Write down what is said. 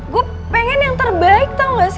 gue pengen yang terbaik tau gak sih buat lo